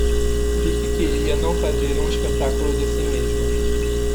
Vicky queria não fazer um espetáculo de si mesma.